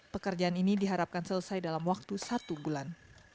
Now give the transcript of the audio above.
pekerjaan ini diharapkan selesai dalam waktu satu bulan